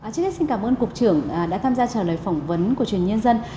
chính xác xin cảm ơn cục trưởng đã tham gia trả lời phỏng vấn của truyền hình nhân dân